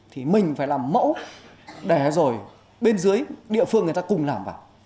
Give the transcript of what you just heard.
thì mình phải làm mẫu để rồi bên dưới địa phương người ta cùng làm vào